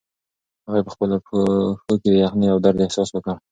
هغې په خپلو پښو کې د یخنۍ او درد احساس وکړ.